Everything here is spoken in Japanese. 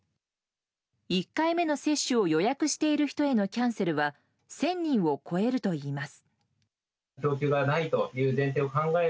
１回目の接種を予約している人へのキャンセルは１０００人を超えるといいます。